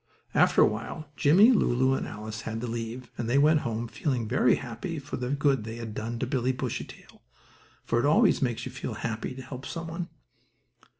After a while Jimmie, Lulu and Alice had to leave, and they went home, feeling very happy for the good they had done to Billie Bushytail, for it always makes you feel happy to help some one.